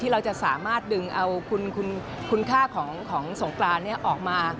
เราจะสามารถดึงเอาคุณค่าของสงกรานนี้ออกมา